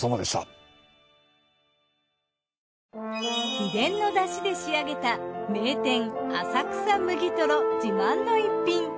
秘伝の出汁で仕上げた名店浅草むぎとろ自慢の逸品。